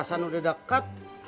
tujuh belas an udah deket